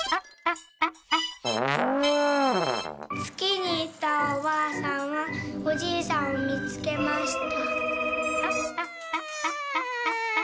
「つきにいったおばあさんはおじいさんをみつけました」。